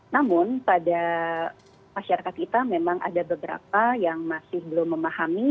namun pada masyarakat kita memang ada beberapa yang masih belum memahami